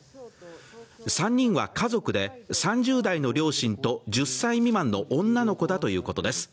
３人は家族で３０代の両親と１０歳未満の女の子だということです。